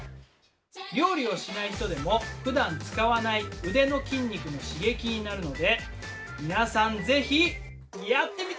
料理をしない人でもふだん使わない腕の筋肉の刺激になるので皆さんぜひやってみてね！